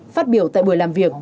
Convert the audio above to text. phát biểu tại buổi làm việc